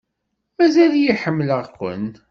Mazal-iyi ḥemmleɣ-ken.